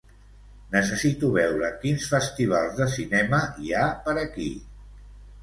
Necessito veure quins festivals de cinema hi ha per aquí.